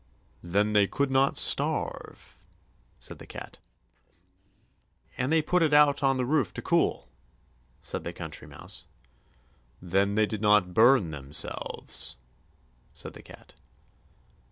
"Then they could not starve," said the cat. "And they put it out on the roof to cool," said the Country Mouse. "Then they did not burn themselves," said the cat.